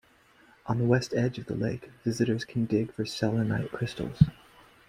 On the west edge of the lake, visitors can dig for selenite crystals.